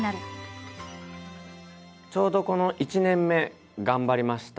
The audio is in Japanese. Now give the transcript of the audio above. ちょうどこの１年目頑張りました。